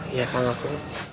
iya kang aku